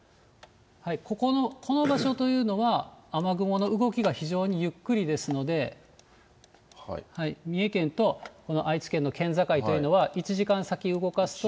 ここのこの場所というのは、雨雲の動きが非常にゆっくりですので、三重県と、この愛知県の県境というのは、１時間先動かすと。